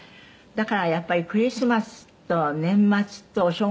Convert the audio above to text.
「だからやっぱりクリスマスと年末とお正月とで」